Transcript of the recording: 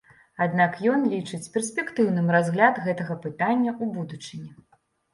Аднак ён лічыць перспектыўным разгляд гэтага пытання ў будучыні.